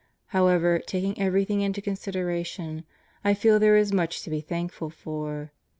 However, taking everything into consideration, I feel there is much to be thankful for.